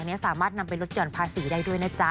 สามารถนำไปลดหย่อนภาษีได้ด้วยนะจ๊ะ